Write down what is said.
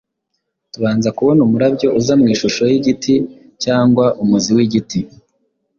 tubanza kubona umurabyo uza mu ishusho y’igiti cyangwa umuzi w’igiti